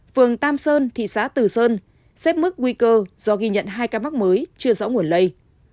phường tam sơn thị xã từ sơn xếp mức nguy cơ do ghi nhận hai ca mắc mới chưa rõ nguồn lây